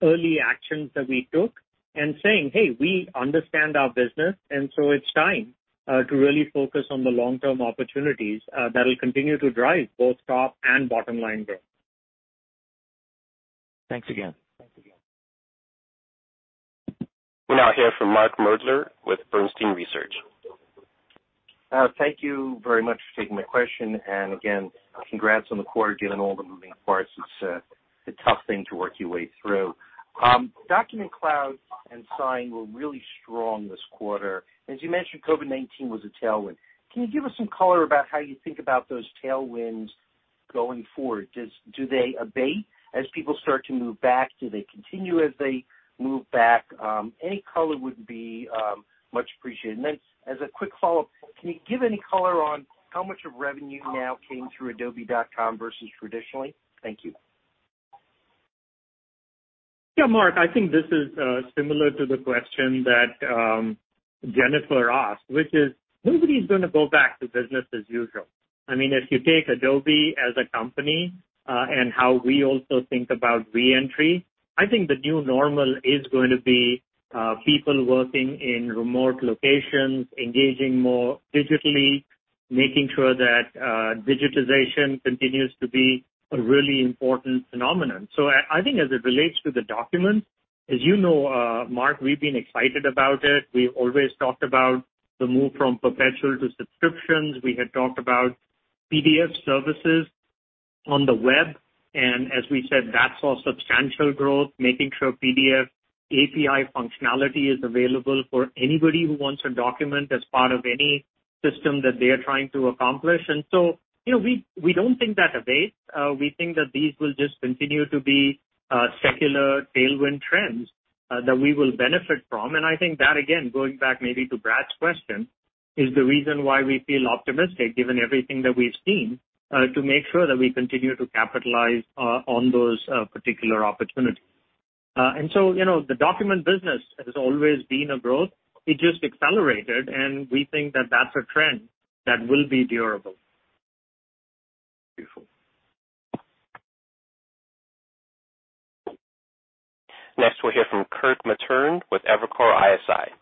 early actions that we took and saying, "Hey, we understand our business, and so it's time to really focus on the long-term opportunities that'll continue to drive both top and bottom-line growth. Thanks again. We'll now hear from Mark Moerdler with Bernstein Research. Thank you very much for taking my question. Again, congrats on the quarter, given all the moving parts. It's a tough thing to work your way through. Document Cloud and Sign were really strong this quarter. As you mentioned, COVID-19 was a tailwind. Can you give us some color about how you think about those tailwinds going forward? Do they abate as people start to move back? Do they continue as they move back? Any color would be much appreciated. Then, as a quick follow-up, can you give any color on how much of revenue now came through adobe.com versus traditionally? Thank you. Yeah Mark, I think this is similar to the question that Jennifer asked, which is, nobody's going to go back to business as usual. If you take Adobe as a company, and how we also think about re-entry, I think the new normal is going to be people working in remote locations, engaging more digitally, making sure that digitization continues to be a really important phenomenon. I think as it relates to the documents, as you know Mark, we've been excited about it. We always talked about the move from perpetual to subscriptions. We had talked about PDF services on the web, and as we said, that saw substantial growth, making sure PDF API functionality is available for anybody who wants a document as part of any system that they are trying to accomplish. We don't think that abates. We think that these will just continue to be secular tailwind trends that we will benefit from. I think that, again, going back maybe to Brad's question, is the reason why we feel optimistic, given everything that we've seen, to make sure that we continue to capitalize on those particular opportunities. The document business has always been a growth. It just accelerated, and we think that that's a trend that will be durable. Beautiful. Next we'll hear from Kirk Materne with Evercore ISI.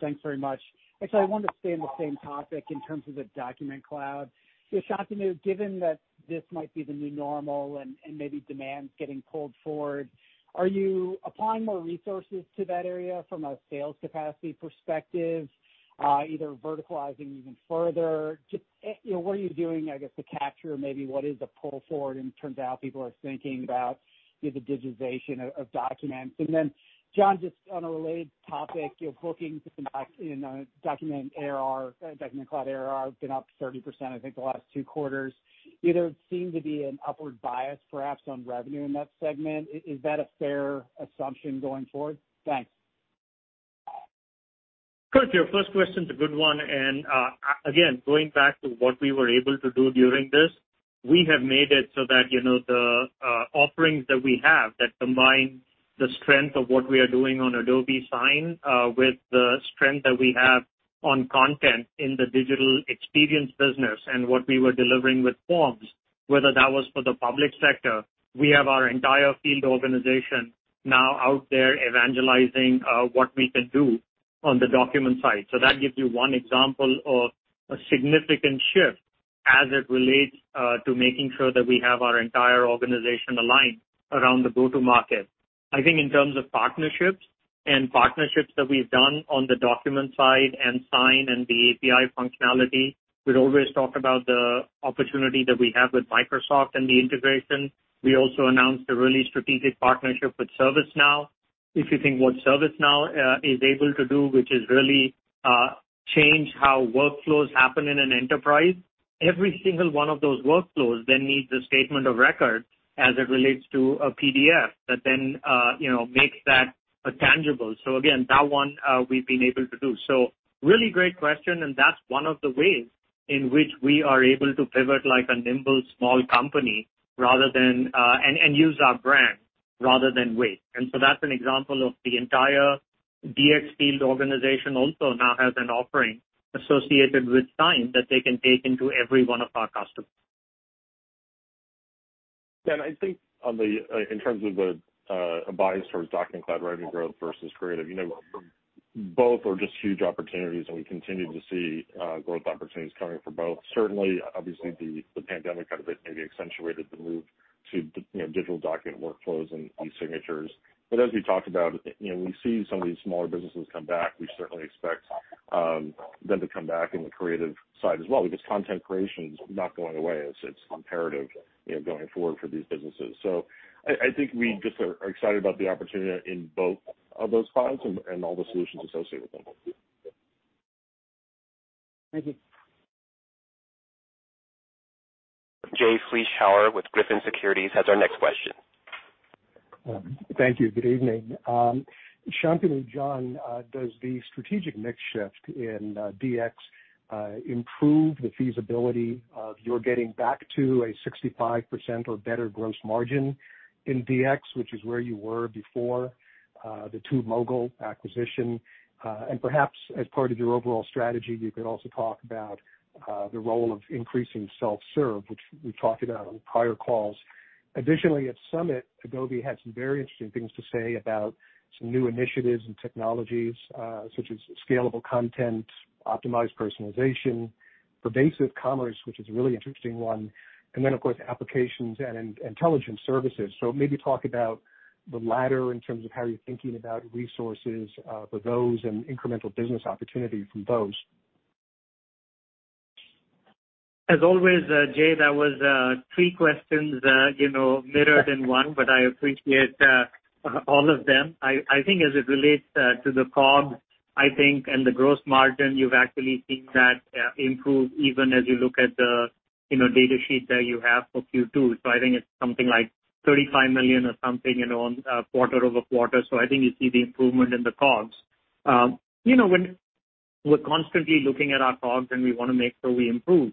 Thanks very much. Actually, I wanted to stay on the same topic in terms of the Document Cloud. Shantanu, given that this might be the new normal and maybe demand's getting pulled forward, are you applying more resources to that area from a sales capacity perspective, either verticalizing even further? Just, what are you doing, I guess, to capture maybe what is a pull forward, and it turns out people are thinking about the digitization of documents. John, just on a related topic, bookings in Document Cloud ARR have been up 30%, I think, the last two quarters. Does there seem to be an upward bias, perhaps, on revenue in that segment? Is that a fair assumption going forward? Thanks. Kirk, your first question's a good one. Again, going back to what we were able to do during this, we have made it so that the offerings that we have that combine the strength of what we are doing on Adobe Sign with the strength that we have on content in the Digital Experience Business and what we were delivering with forms, whether that was for the public sector. We have our entire field organization now out there evangelizing what we can do on the document side. That gives you one example of a significant shift as it relates to making sure that we have our entire organization aligned around the go-to market. I think in terms of partnerships, and partnerships that we've done on the document side and Sign and the API functionality, we'd always talk about the opportunity that we have with Microsoft and the integration. We also announced a really strategic partnership with ServiceNow. If you think what ServiceNow is able to do, which is really change how workflows happen in an enterprise, every single one of those workflows then needs a statement of record as it relates to a PDF that then makes that tangible. Again, that one we've been able to do. Really great question, and that's one of the ways in which we are able to pivot like a nimble, small company and use our brand. Rather than wait. That's an example of the entire DX field organization also now has an offering associated with Sign that they can take into every one of our customers. Yeah, Kirk. I think in terms of a bias towards document collaborating growth versus creative, both are just huge opportunities, and we continue to see growth opportunities coming for both. Certainly, obviously, the pandemic kind of maybe accentuated the move to digital document workflows and e-signatures. As we talked about, we see some of these smaller businesses come back. We certainly expect them to come back in the creative side as well, because content creation is not going away. It's imperative going forward for these businesses. I think we just are excited about the opportunity in both of those files and all the solutions associated with them. Thank you. Jay Vleeschhouwer with Griffin Securities has our next question. Thank you. Good evening. Shantanu, John, does the strategic mix shift in DX improve the feasibility of your getting back to a 65% or better gross margin in DX, which is where you were before the TubeMogul acquisition? Perhaps as part of your overall strategy, you could also talk about the role of increasing self-serve, which we've talked about on prior calls. Additionally, at Summit, Adobe had some very interesting things to say about some new initiatives and technologies, such as scalable content, optimized personalization, pervasive commerce, which is a really interesting one, and then, of course, applications and intelligence services. Maybe talk about the latter in terms of how you're thinking about resources for those and incremental business opportunity from those. As always, Jay, that was three questions mirrored in one, but I appreciate all of them. I think as it relates to the COGS, I think, and the gross margin, you've actually seen that improve even as you look at the data sheet that you have for Q2. I think it's something like $35 million or something quarter-over-quarter. I think you see the improvement in the COGS. We're constantly looking at our COGS, and we want to make sure we improve.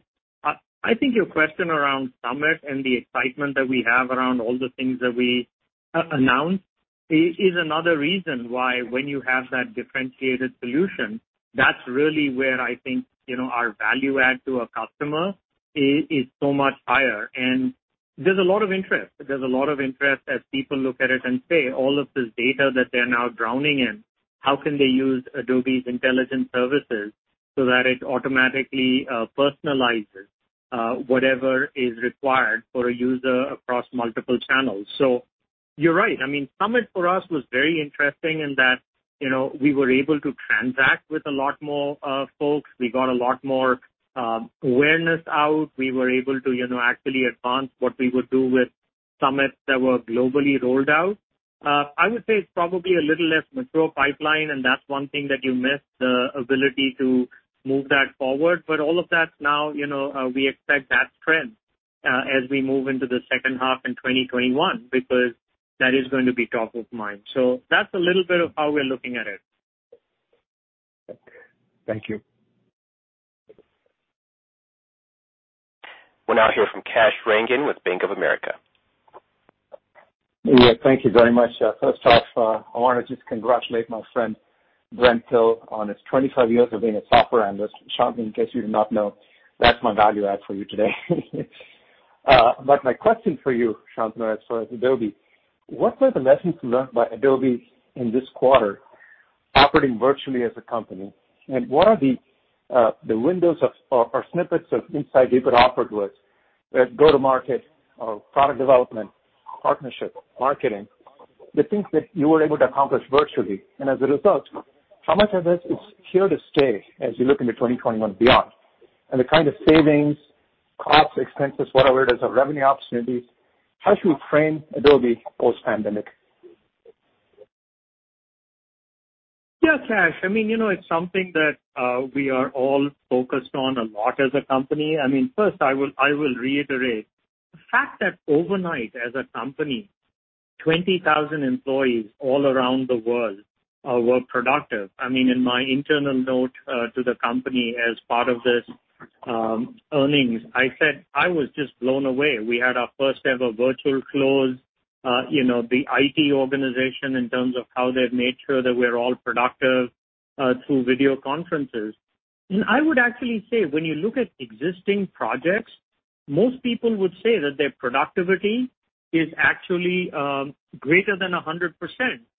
I think your question around Summit and the excitement that we have around all the things that we announced is another reason why when you have that differentiated solution, that's really where I think our value add to a customer is so much higher. There's a lot of interest. There's a lot of interest as people look at it and say, all of this data that they're now drowning in, how can they use Adobe's intelligence services so that it automatically personalizes whatever is required for a user across multiple channels? You're right. I mean, Adobe Summit for us was very interesting in that we were able to transact with a lot more folks. We got a lot more awareness out. We were able to actually advance what we would do with summits that were globally rolled out. I would say it's probably a little less mature pipeline, and that's one thing that you missed, the ability to move that forward. All of that now, we expect that trend as we move into the second half in 2021, because that is going to be top of mind. That's a little bit of how we're looking at it. Thank you. We'll now hear from Kash Rangan with Bank of America. Thank you very much. First off, I want to just congratulate my friend Brent Thill on his 25 years of being a software analyst. Shantanu, in case you did not know, that's my value add for you today. My question for you, Shantanu, as far as Adobe, what were the lessons learned by Adobe in this quarter operating virtually as a company? What are the windows or snippets of insight you could offer to us at go-to-market or product development, partnership, marketing, the things that you were able to accomplish virtually. As a result, how much of this is here to stay as you look into 2021 beyond? The kind of savings, cost, expenses, whatever it is, the revenue opportunities, how should we frame Adobe post-pandemic? Yeah, Kash. It's something that we are all focused on a lot as a company. First I will reiterate the fact that overnight as a company, 20,000 employees all around the world were productive. In my internal note to the company as part of this earnings, I said I was just blown away. We had our first ever virtual close. The IT organization in terms of how they've made sure that we're all productive through video conferences. I would actually say, when you look at existing projects, most people would say that their productivity is actually greater than 100%,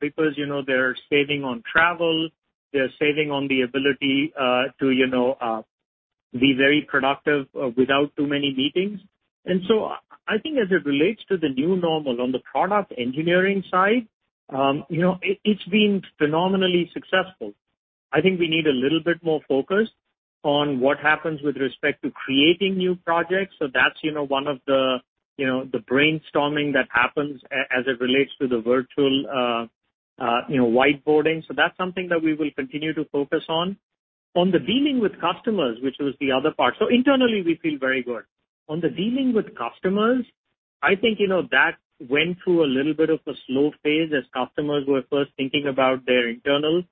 because they're saving on travel. They're saving on the ability to be very productive without too many meetings. I think as it relates to the new normal on the product engineering side, it's been phenomenally successful. I think we need a little bit more focus on what happens with respect to creating new projects. That's one of the brainstorming that happens as it relates to the virtual whiteboarding. That's something that we will continue to focus on. On the dealing with customers, which was the other part. Internally, we feel very good. On the dealing with customers, I think that went through a little bit of a slow phase as customers were first thinking about their internal.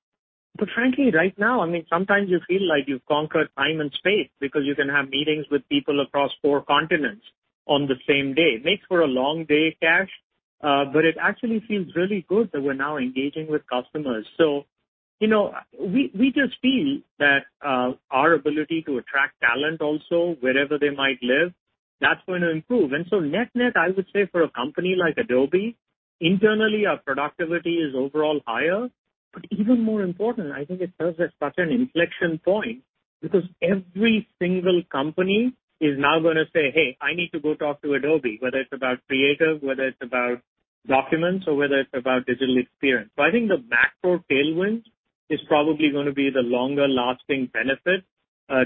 Frankly, right now, sometimes you feel like you've conquered time and space because you can have meetings with people across four continents on the same day. Makes for a long day, Kash, it actually feels really good that we're now engaging with customers. We just feel that our ability to attract talent also, wherever they might live, that's going to improve. Net-net, I would say for a company like Adobe, internally, our productivity is overall higher. Even more important, I think it serves as such an inflection point, because every single company is now going to say, "Hey, I need to go talk to Adobe," whether it's about creative, whether it's about documents, or whether it's about digital experience. I think the macro tailwind is probably going to be the longer-lasting benefit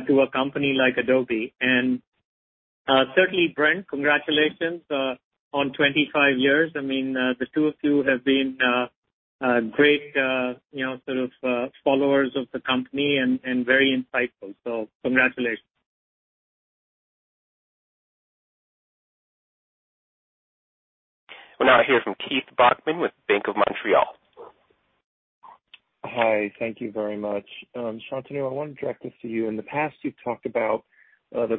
to a company like Adobe. Certainly, Brent, congratulations on 25 years. The two of you have been great followers of the company and very insightful. Congratulations. We'll now hear from Keith Bachman with Bank of Montreal. Hi. Thank you very much. Shantanu, I want to direct this to you. In the past, you've talked about the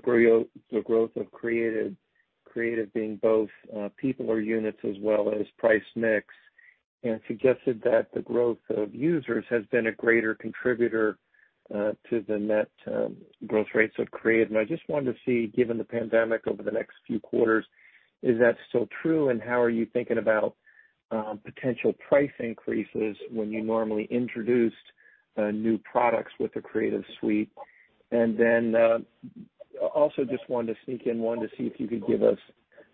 growth of Creative being both people or units as well as price mix, and suggested that the growth of users has been a greater contributor to the net growth rates of Creative. I just wanted to see, given the pandemic over the next few quarters, is that still true? How are you thinking about potential price increases when you normally introduced new products with the Creative Suite? Also just wanted to sneak in one to see if you could give us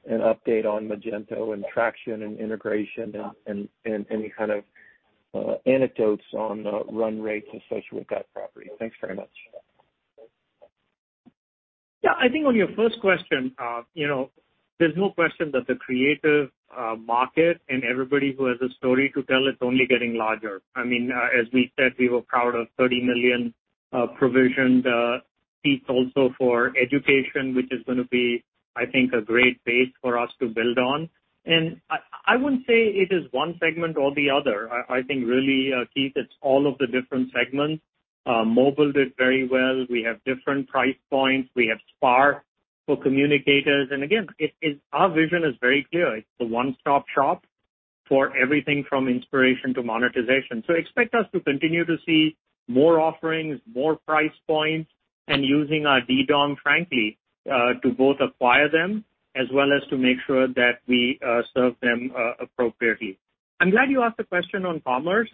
an update on Magento and traction and integration and any kind of anecdotes on run rates associated with that property. Thanks very much. Yeah. I think on your first question, there's no question that the Creative market and everybody who has a story to tell is only getting larger. As we said, we were proud of 30 million provisioned seats also for education, which is going to be, I think, a great base for us to build on. I wouldn't say it is one segment or the other. I think really, Keith, it's all of the different segments. Mobile did very well. We have different price points. We have Spark for communicators. Again, our vision is very clear. It's a one-stop shop for everything from inspiration to monetization. Expect us to continue to see more offerings, more price points, and using our DDOM, frankly, to both acquire them as well as to make sure that we serve them appropriately. I'm glad you asked the question on commerce.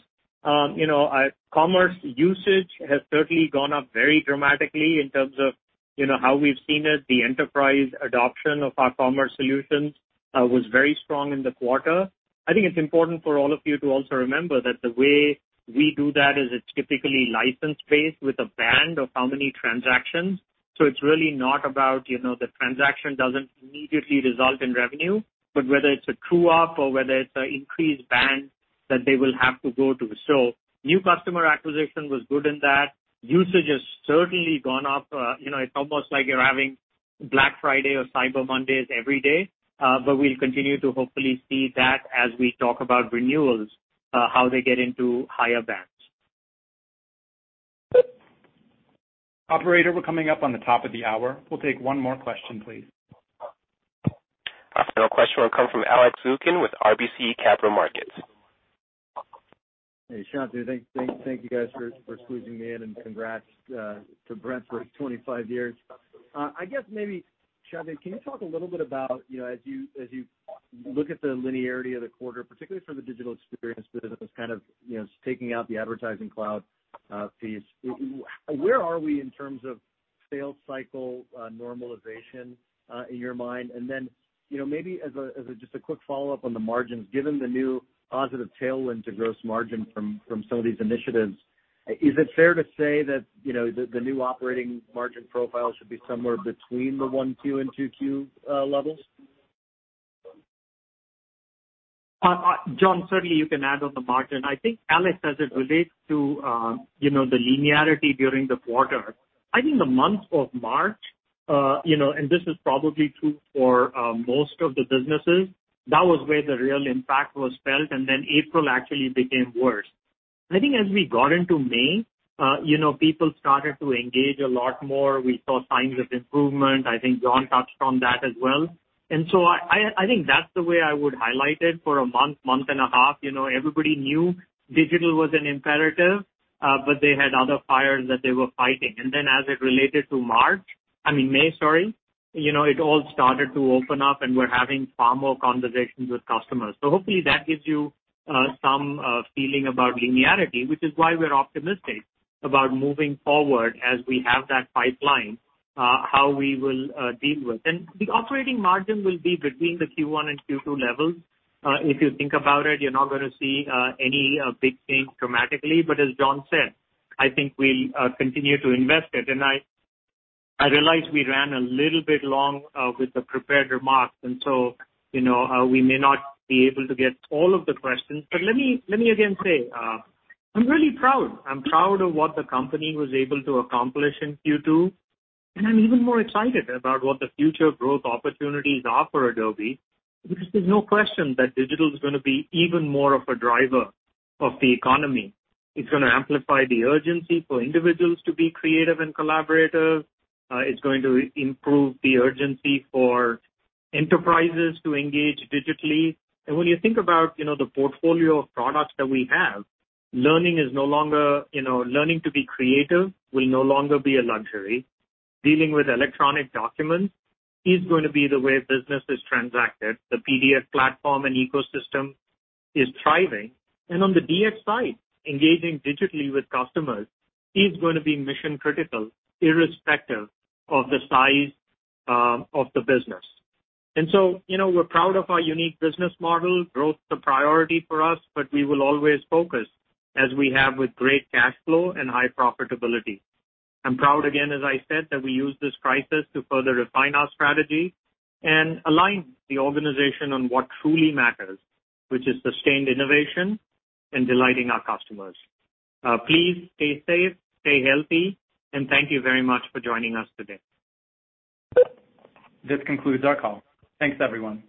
Commerce usage has certainly gone up very dramatically in terms of how we've seen it. The enterprise adoption of our commerce solutions was very strong in the quarter. I think it's important for all of you to also remember that the way we do that is it's typically license-based with a band of how many transactions. It's really not about the transaction doesn't immediately result in revenue, but whether it's a true up or whether it's an increased band that they will have to go to. New customer acquisition was good in that. Usage has certainly gone up. It's almost like you're having Black Friday or Cyber Mondays every day. We'll continue to hopefully see that as we talk about renewals, how they get into higher bands. Operator, we're coming up on the top of the hour. We'll take one more question, please. Our final question will come from Alex Zukin with RBC Capital Markets. Hey Shantanu. Thank you guys for squeezing me in, and congrats to Brent for his 25 years. I guess maybe, Shantanu, can you talk a little bit about as you look at the linearity of the quarter, particularly for the Digital Experience business, kind of taking out the Advertising Cloud piece, where are we in terms of sales cycle normalization in your mind? Then maybe as just a quick follow-up on the margins, given the new positive tailwind to gross margin from some of these initiatives, is it fair to say that the new operating margin profile should be somewhere between the 1Q and 2Q levels? John, certainly you can add on the margin. I think Alex, as it relates to the linearity during the quarter, I think the month of March, this is probably true for most of the businesses, that was where the real impact was felt, April actually became worse. I think as we got into May, people started to engage a lot more. We saw signs of improvement. I think John touched on that as well. I think that's the way I would highlight it. For a month and a half, everybody knew digital was an imperative, they had other fires that they were fighting. As it related to March, I mean May, sorry, it all started to open up and we're having far more conversations with customers. Hopefully that gives you some feeling about linearity, which is why we're optimistic about moving forward as we have that pipeline, how we will deal with. The operating margin will be between the Q1 and Q2 levels. If you think about it, you're not going to see any big change dramatically. As John said, I think we'll continue to invest it. I realize we ran a little bit long with the prepared remarks, and so we may not be able to get all of the questions. Let me again say, I'm really proud. I'm proud of what the company was able to accomplish in Q2, and I'm even more excited about what the future growth opportunities are for Adobe, because there's no question that digital is going to be even more of a driver of the economy. It's going to amplify the urgency for individuals to be creative and collaborative. It's going to improve the urgency for enterprises to engage digitally. When you think about the portfolio of products that we have, learning to be creative will no longer be a luxury. Dealing with electronic documents is going to be the way business is transacted. The PDF platform and ecosystem is thriving. On the DX side, engaging digitally with customers is going to be mission critical irrespective of the size of the business. We're proud of our unique business model. Growth is a priority for us, but we will always focus, as we have with great cash flow and high profitability. I'm proud again, as I said, that we used this crisis to further refine our strategy and align the organization on what truly matters, which is sustained innovation and delighting our customers. Please stay safe, stay healthy, and thank you very much for joining us today. This concludes our call. Thanks everyone.